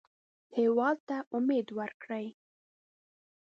هېواد ته امید ورکړئ